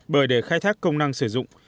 bởi để khai thác công năng sử dụng